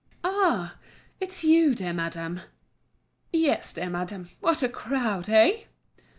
"Ah! it's you, dear madame?" "Yes, dear madame; what a crowd—eh?"